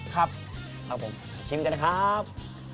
ครับครับผมชิมกันนะครับ